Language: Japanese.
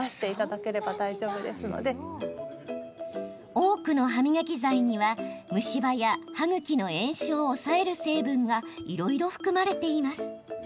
多くの歯磨き剤には、虫歯や歯ぐきの炎症を抑える成分がいろいろ含まれています。